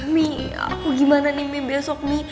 mi aku gimana nih mie besok mi